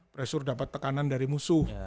pressure dapat tekanan dari musuh